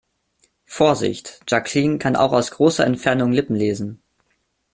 Vorsicht, Jacqueline kann auch aus großer Entfernung Lippen lesen.